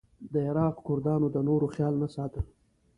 د عراق کردانو د نورو خیال نه ساته.